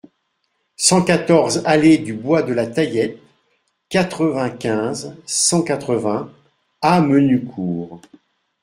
cent quatorze allée du Bois de la Taillette, quatre-vingt-quinze, cent quatre-vingts à Menucourt